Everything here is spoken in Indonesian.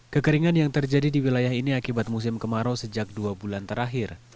kekeringan yang terjadi di wilayah ini akibat musim kemarau sejak dua bulan terakhir